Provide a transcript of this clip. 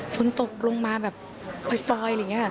ฝนตกลงมาแบบเบ็ดแบบนี้